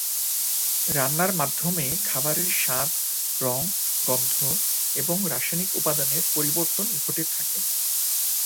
রান্নার মাধ্যমে খাবারের স্বাদ, রঙ, গন্ধ এবং রাসায়নিক উপাদানের পরিবর্তন ঘটে থাকে।